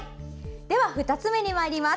では、２つ目にまいります。